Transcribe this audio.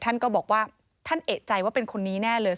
ท่านก็บอกว่าท่านเอกใจว่าเป็นคนนี้แน่เลย